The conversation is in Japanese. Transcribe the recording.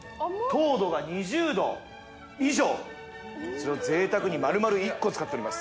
糖度が２０度以上それを贅沢に丸々１個使っております